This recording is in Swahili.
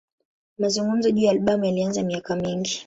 Mazungumzo juu ya albamu yalianza miaka mingi.